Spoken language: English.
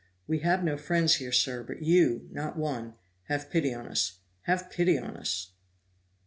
We have no friend here, sir, but you, not one; have pity on us! have pity on us!"